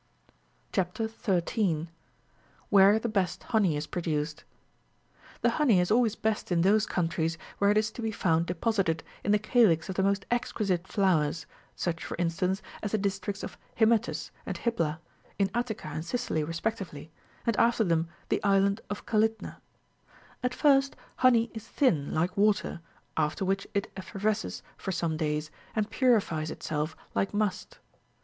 CHAP. 13. (13.) WHERE THE BEST HONEY IS PRODUCED. The honey is always best in those countries where it is to be found deposited in the calix of the most exquisite flowers, such, for instance, as the districts of Hymettus and Hybla, in Attica and Sicily respectively, and after them the island of Calydna.33 At first, honey is thin, like water, after which it effervesces for some days, and purifies itself like must.